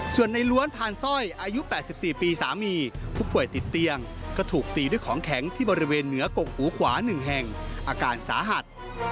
ส่วนในล้วนพานสร้อยอายุ๘๔ปีสามีผู้ป่วยติดเตียงก็ถูกตีด้วยของแข็งที่บริเวณเหนือกกหูขวา๑แห่งอาการสาหัส